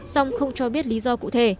xong không cho biết lý do